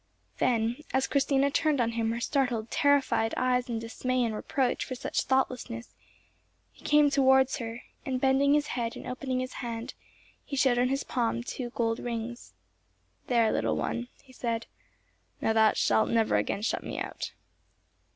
Then, as Christina turned on him her startled, terrified eyes in dismay and reproach for such thoughtlessness, he came towards her, and, bending his head and opening his hand, he showed on his palm two gold rings. "There, little one," he said; "now shalt thou never again shut me out."